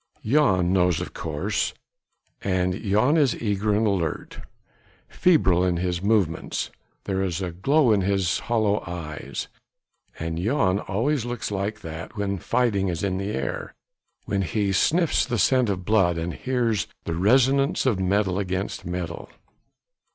Jan knows of course, and Jan is eager and alert, febrile in his movements, there is a glow in his hollow eyes. And Jan always looks like that when fighting is in the air, when he sniffs the scent of blood and hears the resonance of metal against metal.